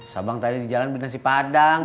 sabang tadi di jalan beli nasi padang